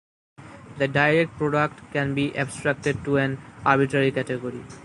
The direct product can be abstracted to an arbitrary category.